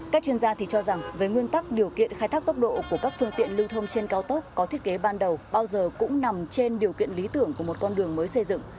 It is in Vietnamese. các chuyên gia thì cho rằng với nguyên tắc điều kiện khai thác tốc độ của các phương tiện lưu thông trên cao tốc có thiết kế ban đầu bao giờ cũng nằm trên điều kiện lý tưởng của một con đường mới xây dựng